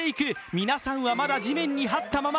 皆さんはまだ地面にはったまま。